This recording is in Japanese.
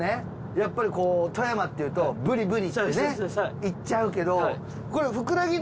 やっぱりこう富山っていうとブリブリってねいっちゃうけど。